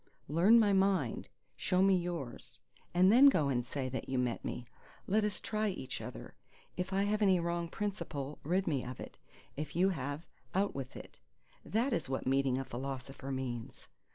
Learn my mind—show me yours; and then go and say that you met me. Let us try each other; if I have any wrong principle, rid me of it; if you have, out with it. That is what meeting a philosopher means.